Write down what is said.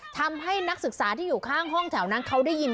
นักศึกษาที่อยู่ข้างห้องแถวนั้นเขาได้ยิน